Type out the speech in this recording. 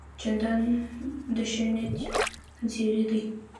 جانداد د ښه نیت زېرى دی.